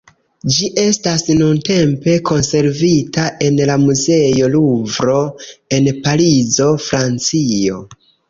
Ĝi estas nuntempe konservita en la Muzeo Luvro en Parizo, Francio.